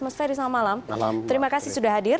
mas ferry selamat malam terima kasih sudah hadir